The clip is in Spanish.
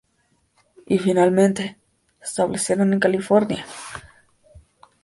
Finalmente se establecieron en California.